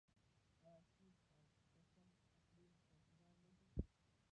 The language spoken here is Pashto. آیا کیش او قشم تفریحي ټاپوګان نه دي؟